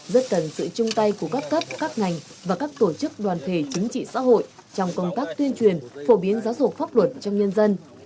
rất cần sự chung tay của các cấp các ngành và các tổ chức đoàn thể chính trị xã hội trong công tác tuyên truyền phổ biến giáo dục pháp luật trong nhân dân